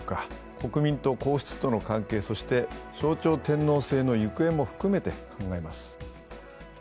国民と皇室との関係、そして象徴天皇制の行方も含めて考えます。